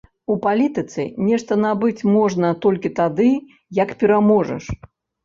У палітыцы нешта набыць можна толькі тады, як пераможаш.